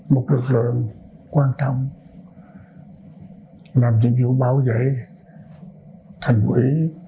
một lực lượng quan trọng làm nhiệm vụ bảo vệ thành quỷ